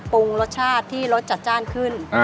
ปรุงรสชาติที่รสจัดจ้านขึ้น